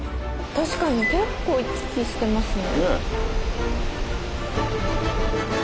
確かに結構行き来してますね。